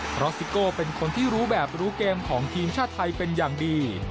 เพราะซิโก้เป็นคนที่รู้แบบรู้เกมของทีมชาติไทยเป็นอย่างดี